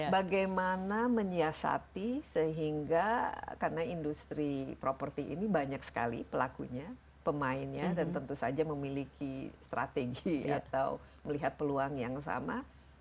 bagaimana menyiasati sehingga karena industri properti ini banyak sekali pelakunya pemainnya dan tentu saja memiliki strategi atau melihat peluang yang sama